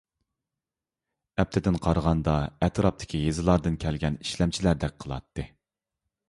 ئەپتىدىن قارىغاندا ئەتراپتىكى يېزىلاردىن كەلگەن ئىشلەمچىلەردەك قىلاتتى.